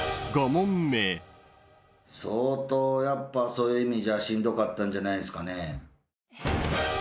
相当やっぱそういう意味じゃしんどかったんじゃないんすかね。